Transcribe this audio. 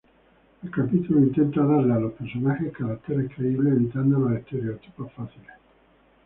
El capítulo intenta darle a los personajes caracteres creíbles, evitando los estereotipos fáciles.